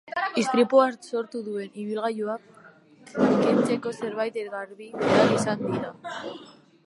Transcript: Istripua sortu duen ibilgailua kentzeko zenbait garabi behar izan dira.